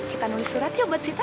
kita nulis surat ya buat sita